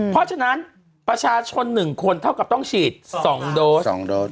เพราะฉะนั้นประชาชน๑คนเท่ากับต้องฉีด๒โดส๒โดส